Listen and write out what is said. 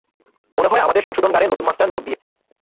মনে হয় আমাদের সংশোধনগারে নতুন মাস্টার নিয়োগ দিয়েছে।